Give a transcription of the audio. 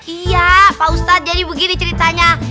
iya pak ustadz jadi begini ceritanya